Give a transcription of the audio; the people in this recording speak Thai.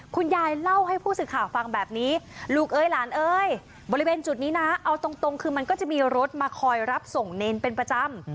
คุณยายเล่าให้ผู้สื่อข่าวฟังแบบนี้ลูกเอ้ยหลานเอ้ยบริเวณจุดนี้นะเอาตรงคือมันก็จะมีรถมาคอยรับส่งเนรเป็นประจำ